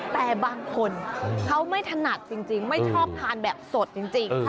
แต่บางคนเขาไม่ถนัดจริงไม่ชอบทานแบบสดจริง